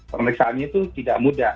pemeriksaannya itu tidak mudah